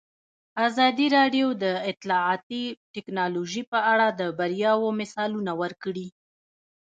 ازادي راډیو د اطلاعاتی تکنالوژي په اړه د بریاوو مثالونه ورکړي.